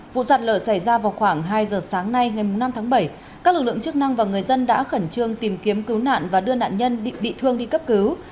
vụ sạt lở xảy ra vào khoảng hai giờ sáng nay ngày năm tháng bảy các lực lượng chức năng và người dân đã khẩn trương tìm kiếm cứu nạn và đưa nạn nhân bị thương đi cấp cứu